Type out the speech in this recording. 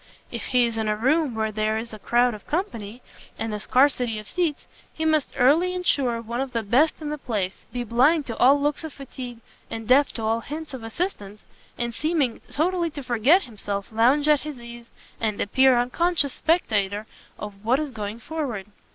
If he is in a room where there is a crowd of company, and a scarcity of seats, he must early ensure one of the best in the place, be blind to all looks of fatigue, and deaf to all hints of assistance, and seeming totally to forget himself, lounge at his ease, and appear an unconscious spectator of what is going forward.